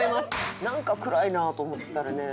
なんか暗いなと思ってたらね